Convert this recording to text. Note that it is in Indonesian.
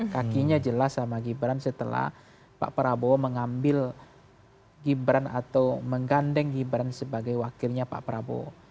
kakinya jelas sama gibran setelah pak prabowo mengambil gibran atau menggandeng gibran sebagai wakilnya pak prabowo